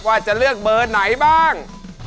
ว่าจะเลือกเบอร์ไหนบ้าง